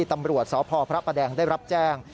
ตำรวจสพพระประแดงได้รับแจ้ง